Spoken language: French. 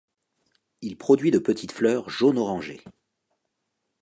Il produit de petites fleurs jaune-orangé.